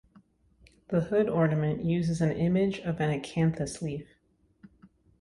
The hood ornament uses an image of an acanthus leaf.